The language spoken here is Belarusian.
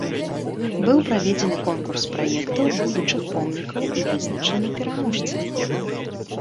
Быў праведзены конкурс праектаў будучых помнікаў і вызначаны пераможцы.